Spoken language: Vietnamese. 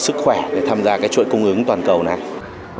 sức khỏe để tham gia cái chuỗi cung ứng toàn cầu này